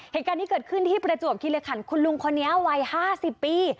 เหตุการณ์ที่เกษคลที่เป็นประจวบคีริคันคุณลุงคนนี้วัยห้าสิบปี